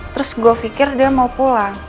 terus gue pikir dia mau pulang